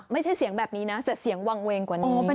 ไม่ใช่เสียงแบบนี้นะแต่เสียงวางเวงกว่านี้